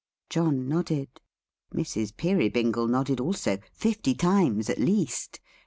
John nodded. Mrs. Peerybingle nodded also, fifty times at least.